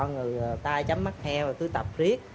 người tai chấm mắt heo cứ tập riết